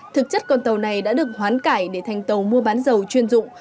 thực chất con tàu này đã được hoán cải để thành tàu mua bán dầu chuyên dụng